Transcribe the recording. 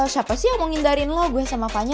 siapa sih yang mau ngindarin lo gue sama panya